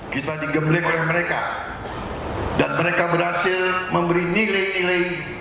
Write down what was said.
kita digembleng oleh mereka dan mereka berhasil memberi nilai nilai